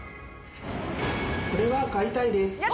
これは買いたいです。